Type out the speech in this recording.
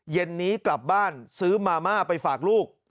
เย็นนี้กลับบ้านซื้อมาม่าไปฝากลูก